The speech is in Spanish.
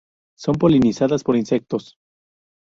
Son polinizadas por insectos.